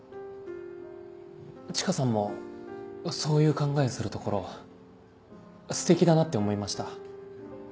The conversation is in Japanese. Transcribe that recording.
チカさんもそういう考えするところステキだなって思いました。